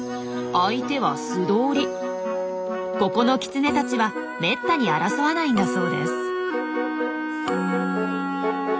ここのキツネたちはめったに争わないんだそうです。